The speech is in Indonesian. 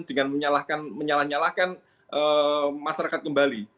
dengan menyalah nyalahkan masyarakat kembali